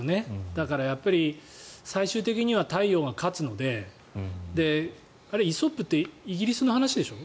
だから最終的には太陽が勝つのであれ、イソップってイギリスの話でしょ？